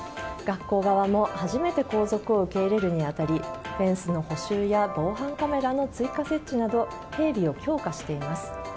学校側も初めて皇族を受け入れるに当たりフェンスの補修や防犯カメラの追加設置など警備を強化しています。